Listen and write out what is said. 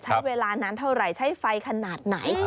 ใช้เวลานานเท่าไหร่ใช้ไฟขนาดไหน